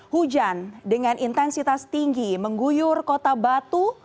hujan dengan intensitas tinggi mengguyur kota batu